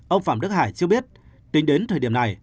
ông phạm đức hải chưa biết tính đến thời điểm này